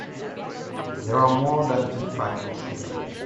There are more than two factors here.